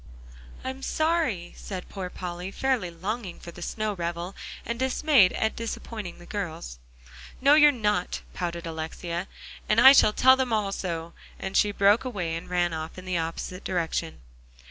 "I'm sorry," said poor Polly, fairly longing for the snow revel, and dismayed at disappointing the girls. "No, you're not," pouted Alexia, "and I shall tell them all so," and she broke away and ran off in the opposite direction.